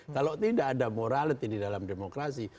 kalau tidak ada morality di dalam demokrasi